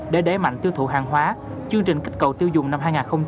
để đẩy mạnh tiêu thụ hàng hóa chương trình kích cầu tiêu dùng năm hai nghìn hai mươi bốn